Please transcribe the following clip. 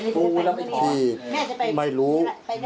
ปูที่ไม่รู้